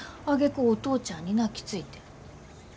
あげくお父ちゃんに泣きついて。